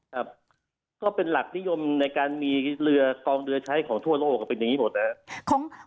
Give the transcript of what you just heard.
ครับก็เป็นหลักนิยมในการมีเรือกองเรือใช้ของทั่วโลกก็เป็นอย่างนี้หมดนะครับ